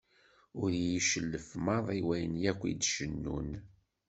Ur iyi-cellef maḍi wayen yakk i d-cennun.